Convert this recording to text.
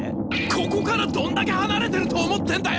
ここからどんだけ離れてると思ってんだよ！